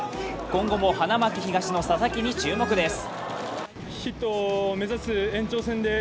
今後も花巻東の佐々木に注目です。